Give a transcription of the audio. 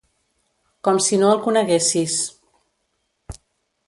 Com si no el coneguessis.